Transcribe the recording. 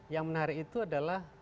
yang menarik itu adalah